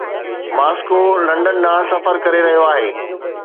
Moscow London ڏانهن سفر ڪري رهيو آهي